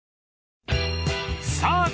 ［さあ